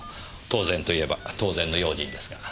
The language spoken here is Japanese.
当然といえば当然の用心ですが。